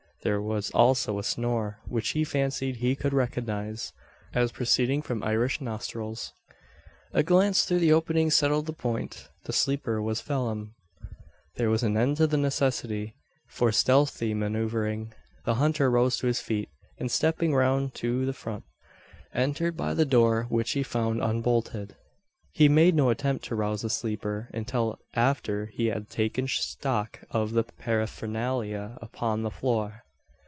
There was also a snore, which he fancied he could recognise, as proceeding from Irish nostrils. A glance through the opening settled the point. The sleeper was Phelim. There was an end to the necessity for stealthy manoeuvring. The hunter rose to his feet, and stepping round to the front, entered by the door which he found unbolted. He made no attempt to rouse the sleeper, until after he had taken stock of the paraphernalia upon the floor.